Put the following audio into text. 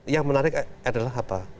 yang menarik adalah apa